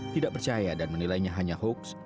tidak percaya dan menilainya hanya hoax